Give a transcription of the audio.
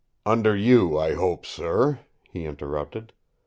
"Under you I hope, sir," he interrupted.